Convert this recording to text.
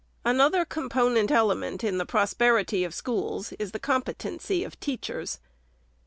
Another component element in the pros perity of schools is the competency of teachers.